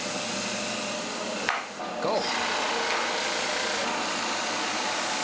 ゴー！